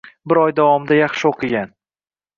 Bir oy davomida yaxshi o‘qigan.